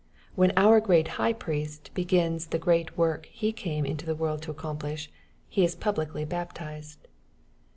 When our great High Priest begins the great work Ho came into the world to accomplish, He is publicly baptized.